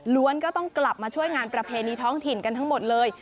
ก็ต้องกลับมาช่วยงานประเพณีท้องถิ่นกันทั้งหมดเลย